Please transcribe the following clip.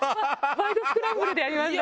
『ワイド！スクランブル』でやりました。